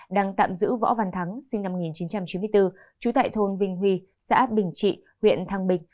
đang tạm giữ võ văn thắng sinh năm một nghìn chín trăm chín mươi bốn trú tại thôn vinh huy xã bình trị huyện thăng bình